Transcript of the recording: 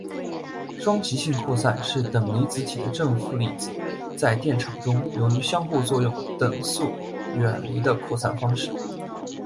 双极性扩散是等离子体的正负粒子在电场中由于相互作用等速远离的扩散方式。